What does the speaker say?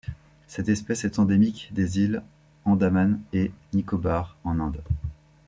Cette espèce est endémique des îles Andaman-et-Nicobar en Inde.